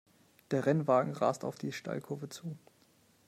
Der Rennwagen rast auf die Steilkurve zu.